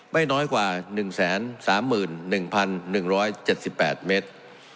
ไม่น้อยกว่า๑๓๑๑๗๘เมตร